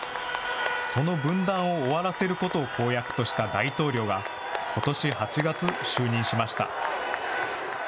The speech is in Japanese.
その分断を終わらせることを公約とした大統領が、ことし８月、就任しました。